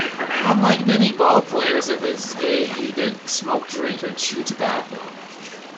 And unlike many ballplayers of his day, he didn't smoke, drink or chew tobacco.